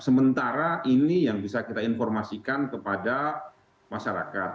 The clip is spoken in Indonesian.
sementara ini yang bisa kita informasikan kepada masyarakat